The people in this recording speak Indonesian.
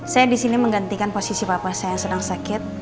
saya di sini menggantikan posisi papa saya yang sedang sakit